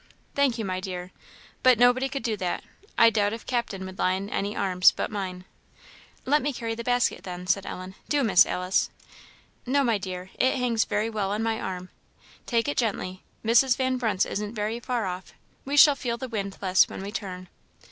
"Thank you, my dear, but nobody could do that; I doubt if Captain would lie in any arms but mine." "Let me carry the basket, then," said Ellen, "do, Miss Alice." "No, my dear, it hangs very well on my arm. Take it gently; Mrs. Van Brunt's isn't very far off; we shall feel the wind less when we turn."